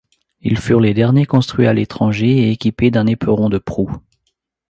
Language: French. Ils furent les derniers construits à l'étranger et équipés d'un éperon de proue.